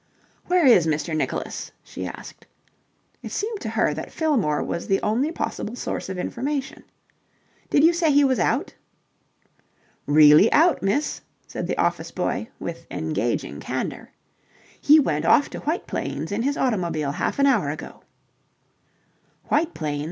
"Where is Mr. Nicholas?" she asked. It seemed to her that Fillmore was the only possible source of information. "Did you say he was out?" "Really out, miss," said the office boy, with engaging candour. "He went off to White Plains in his automobile half an hour ago." "White Plains?